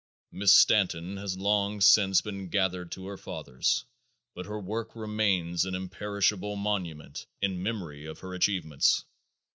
Mrs. Stanton has long since been gathered to her fathers, but her work remains an imperishable monument in memory of her achievements.